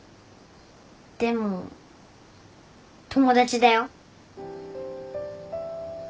でも友達だよ。